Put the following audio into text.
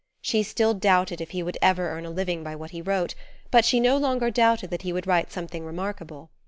She still doubted if he would ever earn a living by what he wrote, but she no longer doubted that he would write something remarkable.